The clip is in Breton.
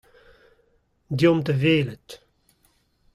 Deomp da welet !